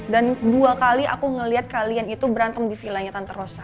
dan dua kali aku ngeliat kalian itu berantem di villanya tante rosa